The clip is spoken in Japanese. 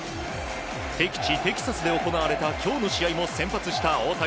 敵地テキサスで行われた今日の試合も先発した大谷。